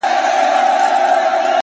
ژوند پکي اور دی؛ آتشستان دی؛